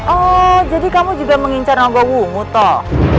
oh jadi kamu juga mengincar nogowumu toh